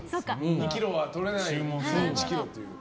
２ｋｇはとれないので１ｋｇという。